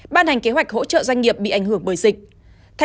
ban hành kế hoạch hỗ trợ doanh nghiệp bị ảnh hưởng bởi dịch